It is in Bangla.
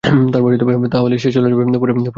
তাহলে সে চলে যাবে পরের ফ্লাইটে।